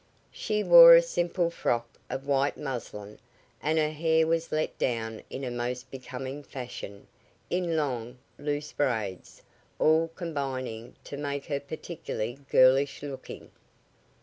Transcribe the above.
She wore a simple frock of white muslin, and her hair was let down in a most becoming fashion, in long, loose braids, all combining to make her particularly girlish looking.